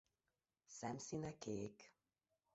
Szemszíne kék.